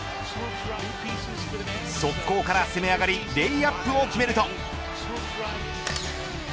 速攻から攻め上がりレイアップを決めると。